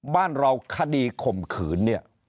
บ้านเราคดีข่มขืน